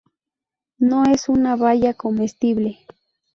No es una baya comestible.